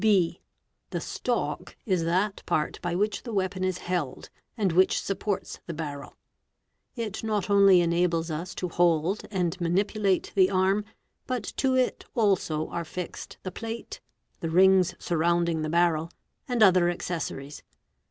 (b) The stock is that part by which the weapon is held and whi supports the barrel. It not only enables us to hold and maniqulalill 4 arm, but to it also are fixed the plate, the rings surrounding the e and the other accessories.